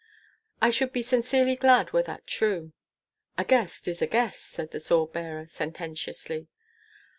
"I should be sincerely glad were that true." "A guest is a guest," said the sword bearer, sententiously.